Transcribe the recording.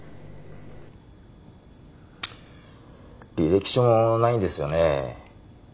履歴書もないんですよね？